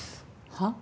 はっ？